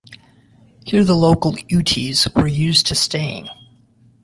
Here the local Utes were used to staying.